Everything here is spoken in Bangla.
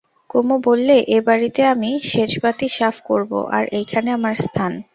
কুমু বললে, এ বাড়িতে আমি সেজবাতি সাফ করব, আর এইখানে আমার স্থান।